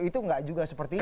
itu nggak juga seperti itu